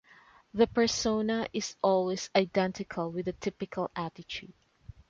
The persona is always identical with a typical attitude.